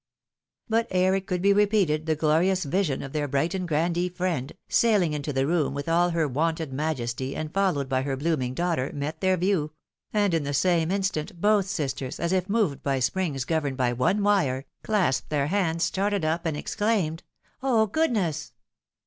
But ere it could be repeated the glorious vision of their Brighton grandee friend, saihng into the room with all her wonted majesty, and followed by her blooming daughter, met their view ; and in the same instant, both sisters, as if moved by A PRIVATE INTERVIEW REQUESTED. 219 springs governed by one wire, clasped their hands, started up, and exclaimed, " Oh, goodness